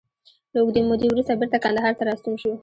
له اوږدې مودې وروسته بېرته کندهار ته راستون شو.